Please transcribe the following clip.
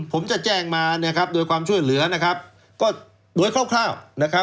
ผมจะแจ้งมาโดยความช่วยเหลือโดยคร่าว